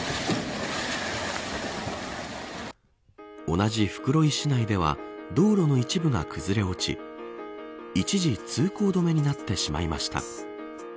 同じ袋井市内では道路の一部が崩れ落ち一時通行止めになってしまいました。